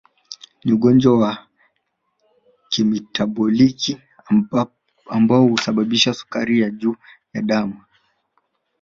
Ni ugonjwa wa kimetaboliki ambao husababisha sukari ya juu ya damu